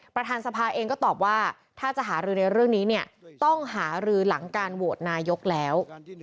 ประธานสภาเองก็ตอบว่าถ้าจะหารือในเรื่องนี้เนี่ยต้องหารือหลังการโหวตนายกแล้ว